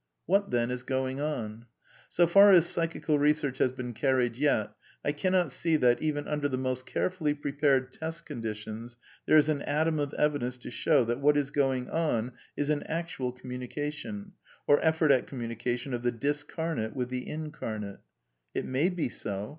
What, then, is going on ? So far as psychical research has been carried yet, I cannot see that, even under the most carefully prepared test conditions, there is an atom of evidence to show that what is going on is an actual communication, or effort at communication, of the discamate with the incarnate. It may be so.